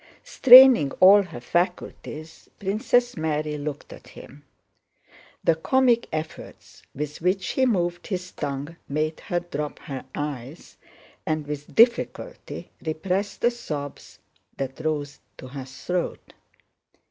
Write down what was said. Straining all her faculties Princess Mary looked at him. The comic efforts with which he moved his tongue made her drop her eyes and with difficulty repress the sobs that rose to her throat.